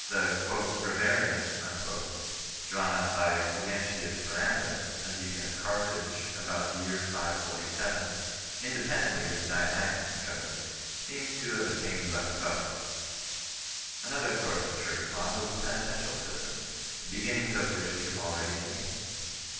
The "Breviarium" drawn up by Fulgentius Ferrandus 2 , a deacon of Carthage, about the year 547, independently of the Dionysian Code, seems to have at tained less vogue. Another source of Church law was the penitential system, the beginnings of which we have already seen 3